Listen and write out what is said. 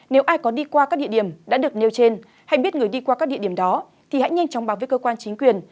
nếu ai có đi qua các địa điểm đã được nêu trên hay biết người đi qua các địa điểm đó thì hãy nhanh chóng báo với cơ quan chính quyền